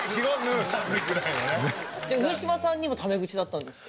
じゃあ上島さんにもタメ口だったんですか？